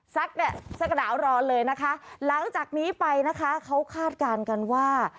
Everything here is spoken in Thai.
สักหนาวร้อนเลยนะคะหลังจากนี้ไปนะคะเขาคาดการณ์กันว่า